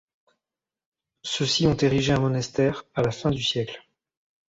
Ceux-ci y ont érigé un monastère à la fin du siècle.